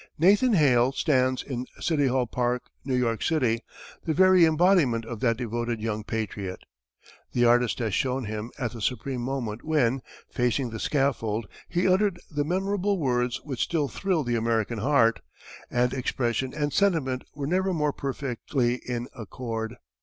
"Nathan Hale" stands in City Hall Park, New York City, the very embodiment of that devoted young patriot. The artist has shown him at the supreme moment when, facing the scaffold, he uttered the memorable words which still thrill the American heart, and expression and sentiment were never more perfectly in accord.